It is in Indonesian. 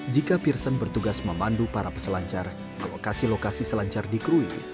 jika peerson bertugas memandu para peselancar ke lokasi lokasi selancar di krui